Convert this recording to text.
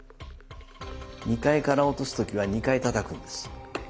２階から落とす時は２回たたくんです。